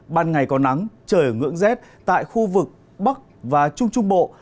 ban ngày có nắng trời ngưỡng rét tại khu vực bắc và trung trung bộ